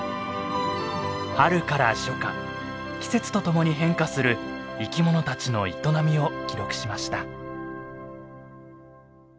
春から初夏季節とともに変化する生きものたちの営みを記録しました。